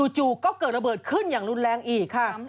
จู่ก็เกิดระเบิดขึ้นอย่างรุนแรงอีกค่ะ